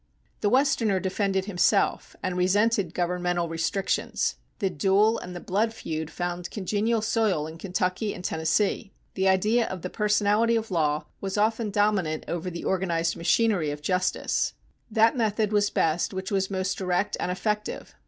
The Westerner defended himself and resented governmental restrictions. The duel and the blood feud found congenial soil in Kentucky and Tennessee. The idea of the personality of law was often dominant over the organized machinery of justice. That method was best which was most direct and effective.